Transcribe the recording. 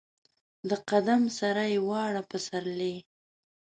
د قدم سره یې واړه پسرلي